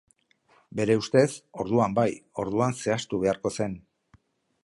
Bere ustez, orduan bai, orduan zehaztu beharko zen.